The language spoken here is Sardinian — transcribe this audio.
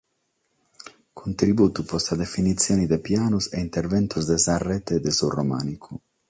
Contributu pro sa definitzione de pianos e interventos de sa rete de su Romànicu.